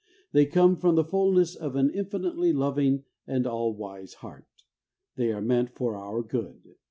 They come from the fullness of an infinitely loving and all wise heart. They are meant for our good.